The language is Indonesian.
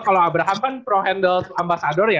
kalau abraham kan pro handels ambassador ya